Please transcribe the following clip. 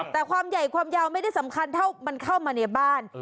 แต่ความใหญ่ความยาวไม่ได้สำคัญเท่ามันเข้ามาในบ้าน